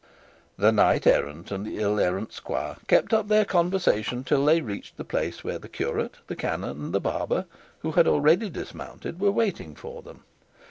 The knight errant and the ill errant squire kept up their conversation till they reached the place where the curate, the canon, and the barber, who had already dismounted, were waiting for them.